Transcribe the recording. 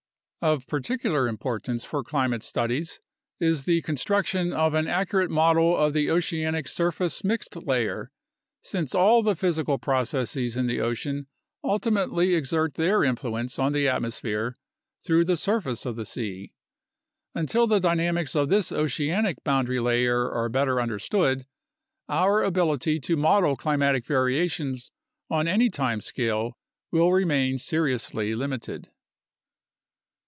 Of particular importance for climate studies is the construction of an accurate model of the oceanic surface mixed layer, since all the physical processes in the ocean ultimately exert their influence on the atmosphere through the surface of the sea. Until the dynamics of this oceanic boundary layer are better understood, our ability to model climatic variations on any time scale will remain seriously limited.